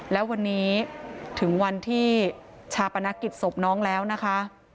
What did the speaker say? แล้ววันนี้ถึงวันที่ชาปนกิจศพน้องแล้วนะคะ